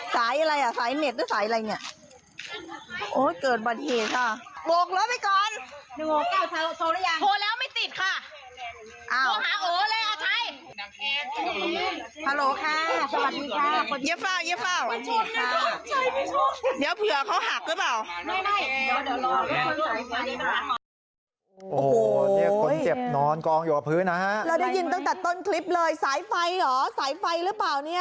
ใส่อะไรอะใส่เน็ตใช้อะไรเนี่ย